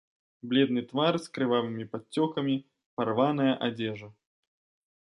Бледны твар з крывавымі падцёкамі, парваная адзежа.